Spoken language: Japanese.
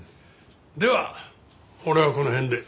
では俺はこの辺で。